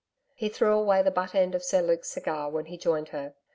He threw away the butt end of Sir Luke's cigar when he joined her.